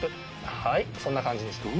はいそんな感じに。